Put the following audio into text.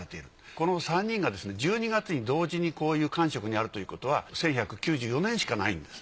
この３人がですね１２月に同時にこういう官職にあるということは１１９４年しかないんです。